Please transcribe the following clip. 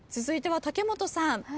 続いては武元さん。